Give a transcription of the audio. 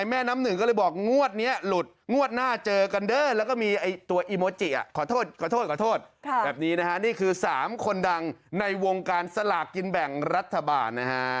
แบบนี้นะฮะนี่คือ๓คนดังในวงการสลากกินแบ่งรัฐบาล